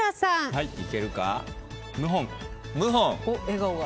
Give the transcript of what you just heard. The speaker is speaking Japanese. はい。